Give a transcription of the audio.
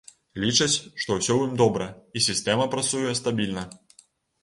Лічаць, што ўсё ў ім добра, і сістэма працуе стабільна.